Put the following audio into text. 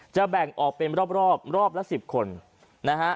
แบ่งออกเป็นรอบรอบละ๑๐คนนะฮะ